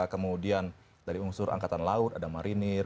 kemudian dari unsur angkatan laut ada marinir